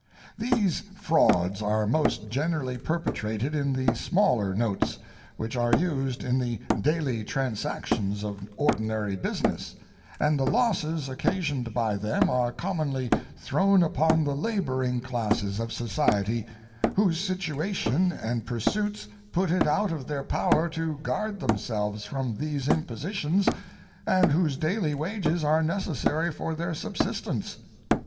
These frauds are most generally perpetrated in the smaller notes, which are used in the daily transactions of ordinary business, and the losses occasioned by them are commonly thrown upon the laboring classes of society, whose situation and pursuits put it out of their power to guard themselves from these impositions, and whose daily wages are necessary for their subsistence.